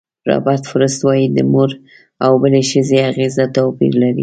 رابرټ فروسټ وایي د مور او بلې ښځې اغېزه توپیر لري.